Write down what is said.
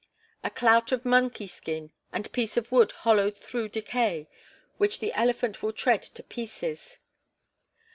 A clout of monkey skin and piece of wood hollowed through decay which the elephant will tread to pieces.